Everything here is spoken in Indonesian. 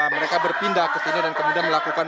mereka berpindah kesini dan kemudian melakukan